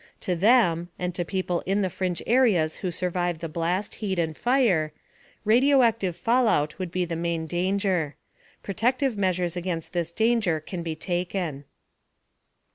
To them and to people in the fringe areas who survived the blast, heat and fire radioactive fallout would be the main danger. Protective measures against this danger can be taken.